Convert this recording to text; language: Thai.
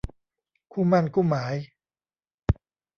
คู่หมั้นคู่หมาย